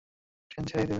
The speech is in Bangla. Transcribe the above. ট্রেন ছেড়েই দিবে।